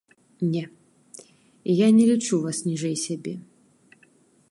Не, я не лічу вас ніжэй сябе.